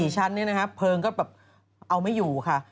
ชั้นนี้นะครับเพลิงก็แบบเอาไม่อยู่ค่ะ